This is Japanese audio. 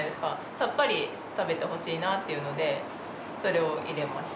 さっぱり食べてほしいなっていうのでそれを入れました。